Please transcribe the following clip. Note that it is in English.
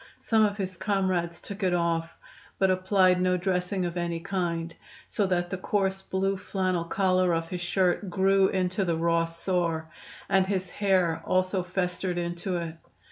Some of his comrades took it off, but applied no dressing of any kind, so that the coarse blue flannel collar of his shirt grew into the raw sore, and his hair also festered into it.